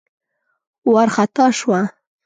وار خطا شوه.